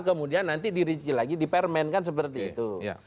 kemudian nanti dirinci lagi dipermen kan seperti itu